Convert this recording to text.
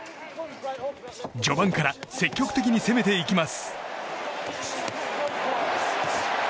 序盤から積極的に攻めていきます。